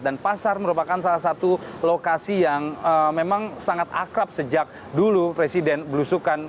dan pasar merupakan salah satu lokasi yang memang sangat akrab sejak dulu presiden belusukan